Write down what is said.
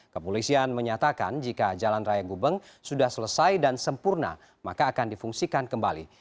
kepolisian menyatakan jika jalan raya gubeng sudah selesai dan sempurna maka akan difungsikan kembali